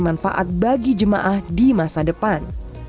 manfaat bagi jemaah di masa depan